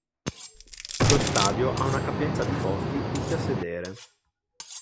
Lo stadio ha una capienza di posti, tutti a sedere.